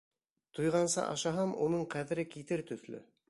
Туйғансы ашаһам уның ҡәҙере китер төҫлө.